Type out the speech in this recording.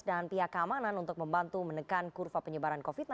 dan pihak keamanan untuk membantu menekan kurva penyebaran covid sembilan belas